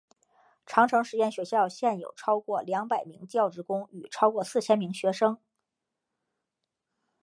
长城实验学校现有超过两百名教职工与超过四千名学生。